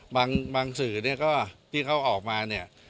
บางสื่อเนี่ยก็ที่เขาออกมาเนี่ย